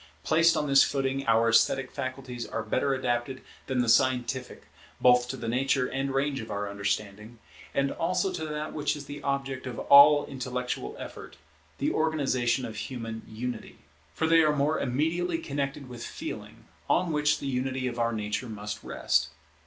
Placed on this footing, our esthetic faculties are better adapted than the scientific, both to the nature and range of our understanding, and also to that which is the object of all intellectual effort, the organization of human unity. For they are more immediately connected with Feeling, on which the unity of our nature must rest.